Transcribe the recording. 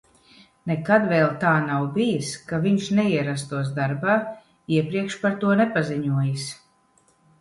Nekad vēl tā nav bijis, ka viņš neierastos darbā, iepriekš par to nepaziņojis.